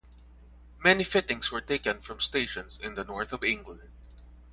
Many fittings were taken from stations in the north of England.